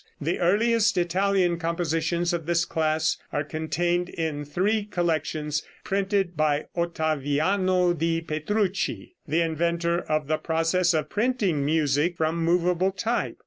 The earliest Italian compositions of this class are contained in three collections printed by Ottaviano di Petrucci, the inventor of the process of printing music from movable type.